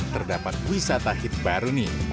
terdapat wisata hit baru nih